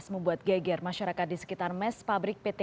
membuat geger masyarakat di sekitar mes pabrik pt